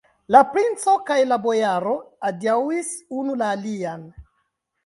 La princo kaj la bojaro adiaŭis unu la alian.